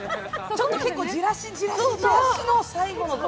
ちょっと結構じらしじらしじらし。